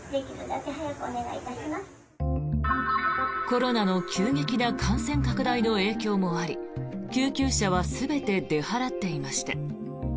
コロナの急激な感染拡大の影響もあり救急車は全て出払っていました。